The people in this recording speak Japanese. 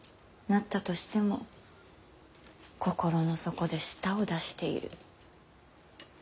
なったとしても心の底で舌を出している。